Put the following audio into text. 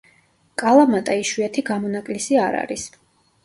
კალამატა იშვიათი გამონაკლისი არ არის.